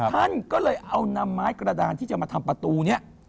ท่านก็เลยเอานำไม้กระดานที่จะมาทำประตูนี้